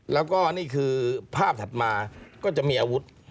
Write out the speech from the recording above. แล้วก็นี่คือภาพถัดมาก็จะมีอาวุธ